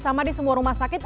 sama di semua rumah sakit